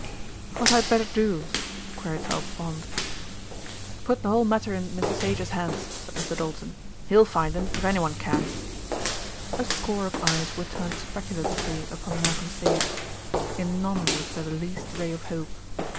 "What'd I better do?" queried Alf Pond. "I've put the whole matter in Mr. Sage's hands," said Mr. Doulton. "He'll find him, if anyone can." A score of eyes were turned speculatively upon Malcolm Sage. In none was there the least ray of hope.